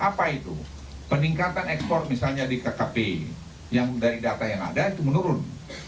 apa itu peningkatan ekspor misalnya di kkp yang dari data yang ada itu menurun